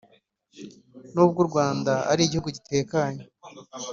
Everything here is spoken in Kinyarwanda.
n’ubwo u Rwanda ari igihugu gitekanye